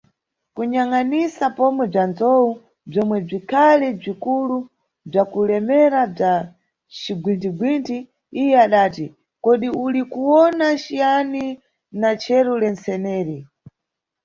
Kuyangʼanisisa pomwe bza nzowu, bzomwe bzikhali bzikulu bzakulemera bza cigwinthi-gwinthi, iye adati, kodi uli kuwona ciyani na cheru lentseneri?